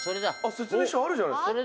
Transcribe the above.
「説明書あるじゃないですか」